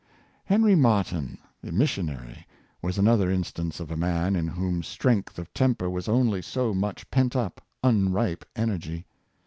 Henry Martyn, the missionary, was another instance of a man in whom strength of temper was only so much pent up, unripe energy.